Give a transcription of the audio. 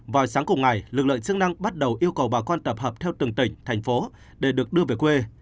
vào sáng cùng ngày lực lượng chức năng bắt đầu yêu cầu bà con tập hợp theo từng tỉnh thành phố để được đưa về quê